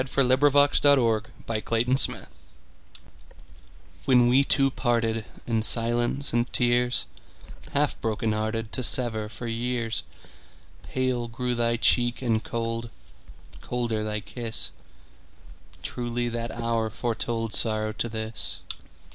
When We Two Parted WHEN we two partedIn silence and tears, Half broken hearted, To sever for years, Pale grew thy cheek and cold, Colder thy kiss; Truly that hour foretoldSorrow to this!